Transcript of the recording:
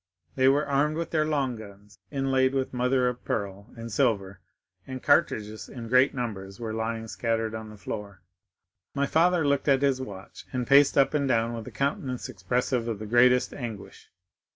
They were armed with their long guns inlaid with mother of pearl and silver, and cartridges in great numbers were lying scattered on the floor. My father looked at his watch, and paced up and down with a countenance expressive of the greatest anguish.